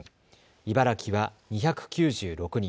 茨城は２９６人。